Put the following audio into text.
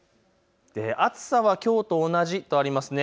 暑さはきょうと同じとありますね。